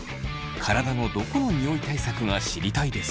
体のどこのニオイ対策が知りたいですか？